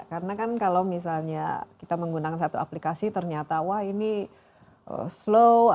karena kan kalau misalnya kita menggunakan satu aplikasi ternyata wah ini slow atau ini tidak berhasil